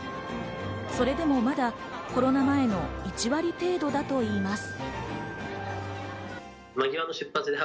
それでもまだコロナ前の１割程度だといいます。